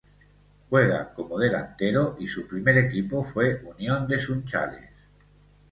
Juega como delantero y su primer equipo fue Unión de Sunchales.